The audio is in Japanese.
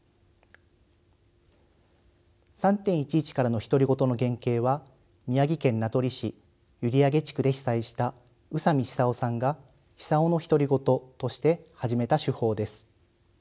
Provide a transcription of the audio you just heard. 「３．１１からの独り言」の原型は宮城県名取市閖上地区で被災した宇佐美久夫さんが「久夫の独り言」として始めた手法です。